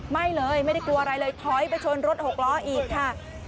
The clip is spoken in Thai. ไม่เลยไม่ได้กลัวอะไรเลยถอยไปชนรถหกล้ออีกค่ะ